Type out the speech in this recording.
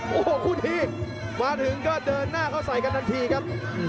โอ้โหคู่นี้มาถึงก็เดินหน้าเข้าใส่กันทันทีครับ